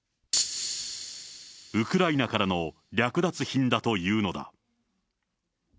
ウクライナからの略奪品だというのだ。